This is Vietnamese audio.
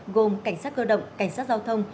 gồm cảnh sát cơ động cảnh sát giao thông